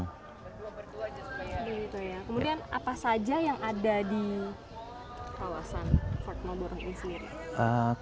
kemudian apa saja yang ada di kawasan fort marlborough ini sendiri